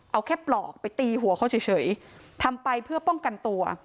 เอาแค่ปลอกไปตีหัวเขาเฉยทำไปเพื่อป้องกันตัว